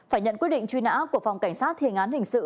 phải nhận quyết định truy nã của phòng cảnh sát thiền án hình sự